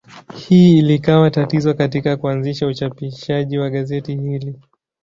Hili likawa tatizo katika kuanzisha uchapishaji wa gazeti hili.